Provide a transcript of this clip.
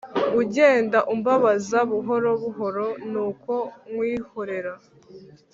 Ugenda umbabaza buhoro buhoro nuko nkwihorera